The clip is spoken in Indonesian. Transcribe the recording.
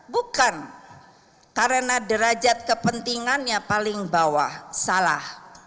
bukan karena derajat kepentingannya paling bawah salah